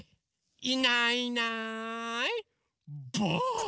いないいないばあっ！